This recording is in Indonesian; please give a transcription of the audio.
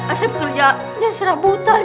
asep geraknya serabutan